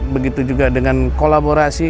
begitu juga dengan kolaborasi